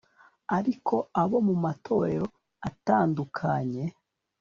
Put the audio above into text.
ariko abo mu matorero atndukanye